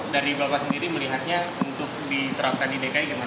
dari bapak sendiri melihatnya untuk diterapkan di dki gimana